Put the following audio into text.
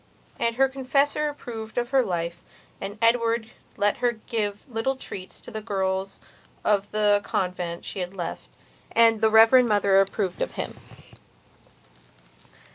And her confessor approved of her life, and Edward let her give little treats to the girls of the convent she had left, and the Reverend Mother approved of him.